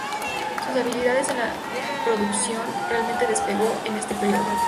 Sus habilidades en la producción realmente despegó en ese período.